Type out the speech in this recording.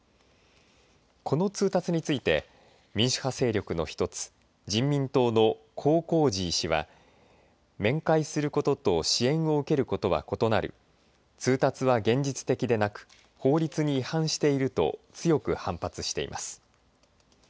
この通達について民主派勢力の１つ人民党のコー・コー・ジー氏は面会することと支援を受けることは異なる通達は現実的でなく法律に違反していると強く反発しています。